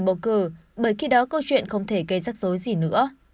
bầu cử bởi khi đó câu chuyện không thể gây rắc rối gì nữa